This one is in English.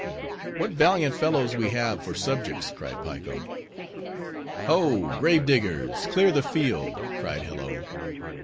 "What valiant fellows we have for subjects," cried Piko. "Ho! grave diggers, clear the field," cried Hello.